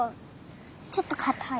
ちょっとかたい。